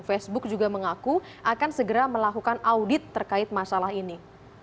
facebook juga mengaku akan segera melakukan audit terkait masalah ini